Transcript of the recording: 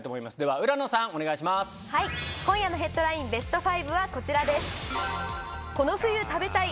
はい今夜のヘッドラインベスト５はこちらです。